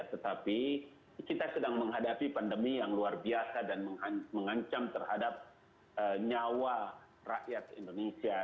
tetapi kita sedang menghadapi pandemi yang luar biasa dan mengancam terhadap nyawa rakyat indonesia